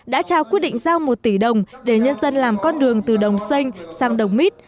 đã trao quyết định giao một tỷ đồng để nhân dân làm con đường từ đồng xâynh sang đồng mít